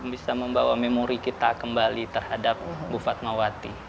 bisa membawa memori kita kembali terhadap bu fatmawati